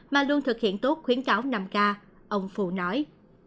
mà luôn thực hiện tốt khuyến cáo năm k ông phù nói